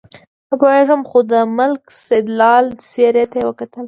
نه پوهېږم خو د ملک سیدلال څېرې ته چې وکتل.